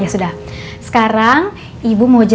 ya sudah sekarang ibu mau jelasin tentang cita cita itu ya bu